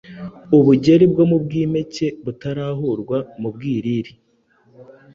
ubujyeeri bwo mu Bwimpeke Butarahurwa mu Bwiriri.